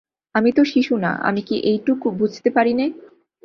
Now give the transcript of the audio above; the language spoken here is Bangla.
আমি তো শিশু না, আমি কি এইটুকু বুঝতে পারি নে?